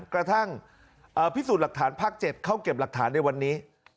กระทั่งพิสูจน์หลักฐานภาค๗เข้าเก็บหลักฐานในวันนี้